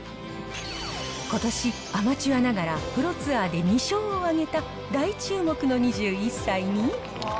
ことし、アマチュアながらプロツアーで２勝を挙げた、大注目の２１歳に。